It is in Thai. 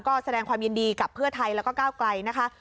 ก็แสดงความยินดีกับเพื่อไทยแล้วก็ก้าวไกลนะคะ